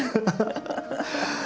ハハハッ。